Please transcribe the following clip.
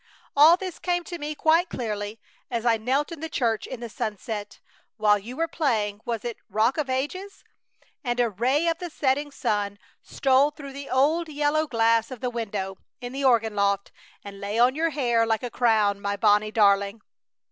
All this came to me quite clearly as I knelt in the church in the sunset, while you were playing was it "Rock of Ages"? and a ray of the setting sun stole through the old yellow glass of the window in the organ loft and lay on your hair like a crown, my Bonnie darling!